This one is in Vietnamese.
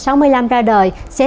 rằng là các nhà đầu tư chuyên nghiệp